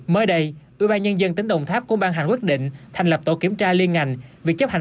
mới đây ubnd tỉnh đồng tháp cũng ban hành quyết định thành lập tổ kiểm tra liên ngành việc chấp hành